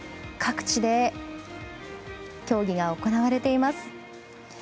各地で競技が行われています。